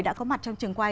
đã có mặt trong trường quay